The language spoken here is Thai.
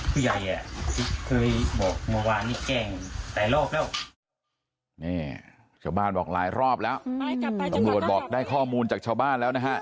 เคยบอกเมื่อวานนี้แกล้งหลายรอบแล้วนี่ชาวบ้านบอกหลายรอบแล้วตำรวจบอกได้ข้อมูลจากชาวบ้านแล้วนะฮะ